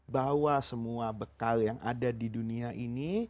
bawa semua bekal yang ada di dunia ini